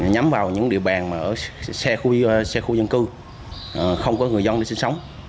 nhắm vào những địa bàn xe khu dân cư không có người dân để sinh sống